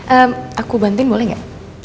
eh aku bantin boleh gak